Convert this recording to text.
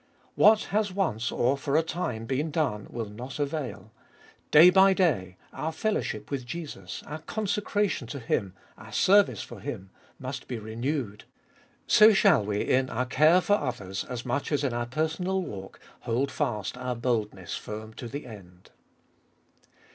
What has once, or for a time, been done, will not avail ; day by day, our fellowship with Jesus, our con secration to Him, our service for Him, must be renewed. So shall we in our care for others, as much as in our personal walk, hold fast our boldness firm to the end.